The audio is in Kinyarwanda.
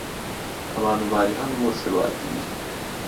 Abantu bari hano bose bagiye.